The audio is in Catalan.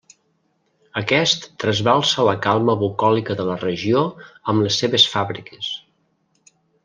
Aquest trasbalsa la calma bucòlica de la regió amb les seves fàbriques.